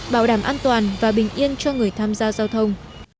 bảo đảm an toàn và bình yên cho người tham gia giao thông